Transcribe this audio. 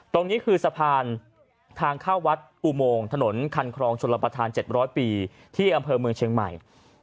ตรงนี้คือสะพานทางเข้าวัดอุโมงถนนคันครองชนรับประทาน๗๐๐ปีที่อำเภอเมืองเชียงใหม่